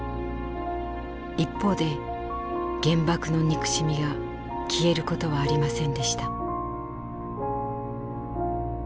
一方で原爆の「憎しみ」が消えることはありませんでした。